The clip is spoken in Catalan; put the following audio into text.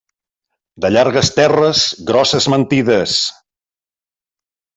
De llargues terres, grosses mentides.